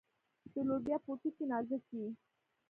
د لوبیا پوټکی نازک وي.